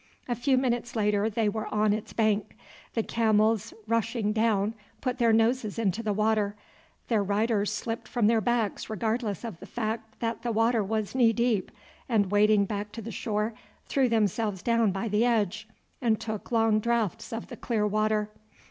A few minutes later they were on its bank. The camels rushing down put their noses into the water; their riders slipped from their backs regardless of the fact that the water was knee deep, and wading back to the shore threw themselves down by the edge, and took long draughts of the clear water.